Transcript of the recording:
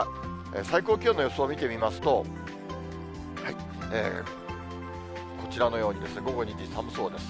最高気温の予想を見てみますと、こちらのように、午後２時、寒そうです。